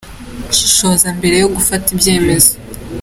Shishoza mbere yo gufata ibyemezo :.